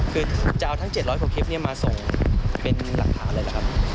คือจะเอาทั้ง๗๐๐กว่าคลิปนี้มาส่งเป็นหลักฐานเลยแหละครับ